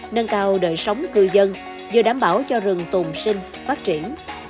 nâng cao đời sống cư dân vừa đảm bảo cho rừng tùm sinh phát triển